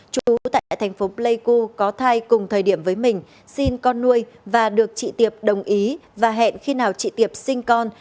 chú tại thành phố pleiku có thai cùng thời điểm với mình xin con nuôi và được chị tiệp đồng ý và hẹn khi nào chị tiệp sinh con